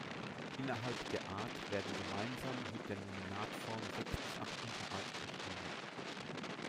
Innerhalb der Art werden gemeinsam mit der Nominatform sechs bis acht Unterarten beschrieben.